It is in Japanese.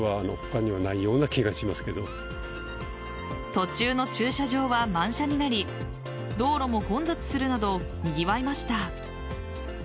途中の駐車場は満車になり道路も混雑するなどにぎわいました。